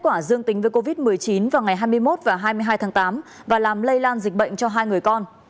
quả dương tính với covid một mươi chín vào ngày hai mươi một và hai mươi hai tháng tám và làm lây lan dịch bệnh cho hai người con